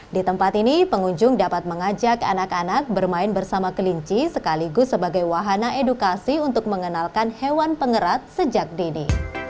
di tempat ini pengunjung dapat mengajak anak anak bermain bersama kelinci sekaligus sebagai wahana edukasi untuk mengenalkan hewan pengerat sejak dini